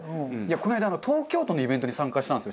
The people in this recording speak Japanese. この間東京都のイベントに参加したんですよ